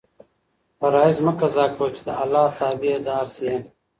فرایض مه قضا کوه چې د اللهﷻ تابع دار شې.